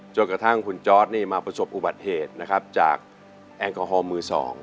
จนกระทั่งคุณจอร์ดนี่มาประสบอุบัติเหตุนะครับจากแอลกอฮอล์มือ๒